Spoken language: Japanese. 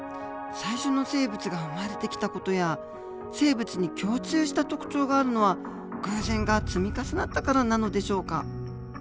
最初の生物が生まれてきた事や生物に共通した特徴があるのは偶然が積み重なったからなのでしょうか。